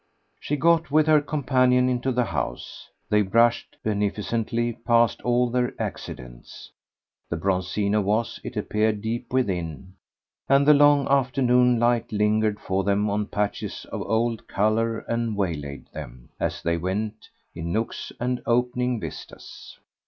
She got with her companion into the house; they brushed, beneficently, past all their accidents. The Bronzino was, it appeared, deep within, and the long afternoon light lingered for them on patches of old colour and waylaid them, as they went, in nooks and opening vistas.